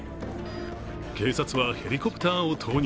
警察は、ヘリコプターを投入。